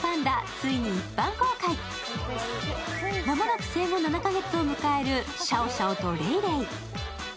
間もなく生後７カ月を迎えるシャオシャオとレイレイ。